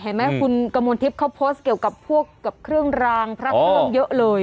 เห็นไหมคุณกระมวลทิพย์เขาโพสต์เกี่ยวกับพวกกับเครื่องรางพระเครื่องเยอะเลย